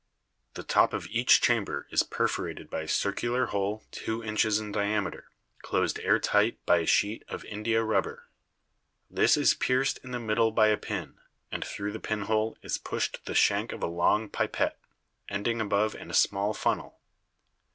The top of each chamber is perforated by a circular hole 52 BIOLOGY two inches in diameter, closed air tight by a sheet of india rubber. This is pierced in the middle by a pin, and through the pinhole is pushed the shank of a long pipette, ending above in a small funnel.